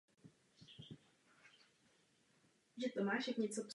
Několik let působil jako učitel na odborových uměleckých seminářích ve Württembersku.